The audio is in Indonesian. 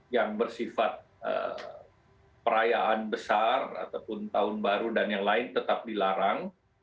yang bersifat perayaan besar ataupun tahun baru dan yang lain tetap dilarang